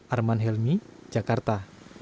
arman helmi jakarta